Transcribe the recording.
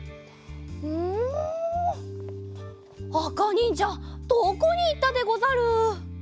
うんあかにんじゃどこにいったでござる。